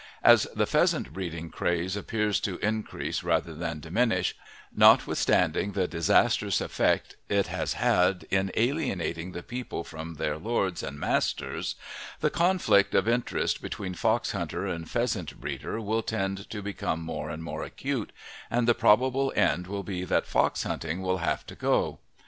As the pheasant breeding craze appears to increase rather than diminish, notwithstanding the disastrous effect it has had in alienating the people from their lords and masters, the conflict of interest between fox hunter and pheasant breeder will tend to become more and more acute, and the probable end will be that fox hunting will have to go.